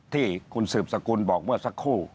ที่คุณสืบสกุลบอกเมื่อสักครู่